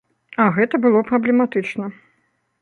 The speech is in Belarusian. А гэта было праблематычна.